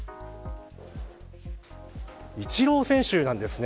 イチロー選手なんですね。